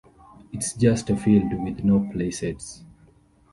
It's just a field with no playsets.